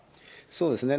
そうですね。